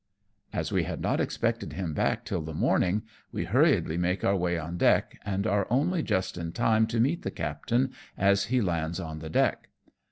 As we had not expected him back till the morning, we hurriedly make our way on deck, and are only just in time to meet the captain as he lands on the deck.